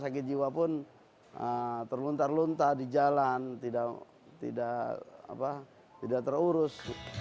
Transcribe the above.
sakit jiwa pun terluntar luntar di jalan tidak tidak apa tidak terurus